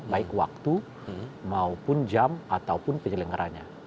baik waktu maupun jam ataupun penyelenggaranya